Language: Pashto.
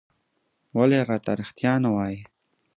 ولې راته رېښتيا نه وايې؟